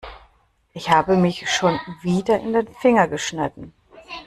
Ich habe mich schon wieder in den Finger geschnitten.